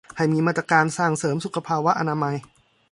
ให้มีมาตรการสร้างเสริมสุขภาวะอนามัย